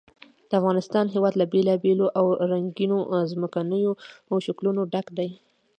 د افغانستان هېواد له بېلابېلو او رنګینو ځمکنیو شکلونو ډک دی.